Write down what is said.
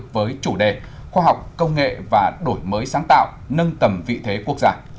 với chủ đề khoa học công nghệ và đổi mới sáng tạo nâng tầm vị thế quốc gia